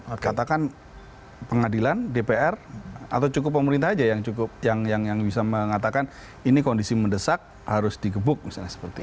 saya katakan pengadilan dpr atau cukup pemerintah saja yang cukup yang bisa mengatakan ini kondisi mendesak harus digebuk misalnya seperti itu